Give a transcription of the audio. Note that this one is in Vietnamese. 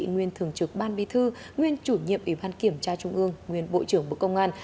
nguyên thường trực ban bi thư nguyên chủ nhiệm ủy ban kiểm tra trung ương nguyên bộ trưởng bộ công an